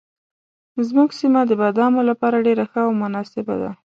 زموږ سیمه د بادامو لپاره ډېره ښه او مناسبه ده.